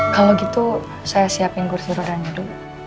kalau gitu saya siapin kursi roda nya dulu